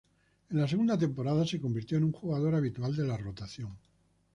En la segunda temporada se convirtió en un jugador habitual de la rotación.